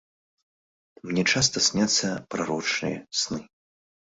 Мне часта сняцца прарочыя сны.